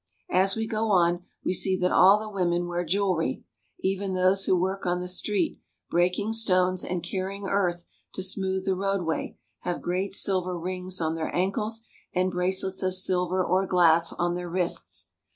As we go on, we see that all the women wear jewelry. Even those who work on the street breaking stones and carrying earth to smooth the roadway have great silver rings on their ankles and bracelets of silver or glass on their wrists.